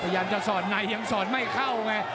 ยังจะสอดในยังสอดไม่เข้าไง